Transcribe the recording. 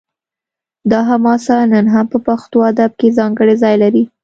دا حماسه نن هم په پښتو ادب کې ځانګړی ځای لري